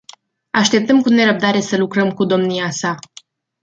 Așteptăm cu nerăbdare să lucrăm cu domnia sa.